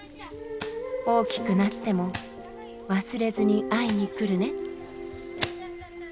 大きくなっても忘れずに会いに来るね。